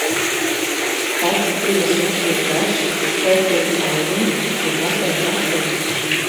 Pats divus metrus garš, spēcīga auguma un platiem pleciem.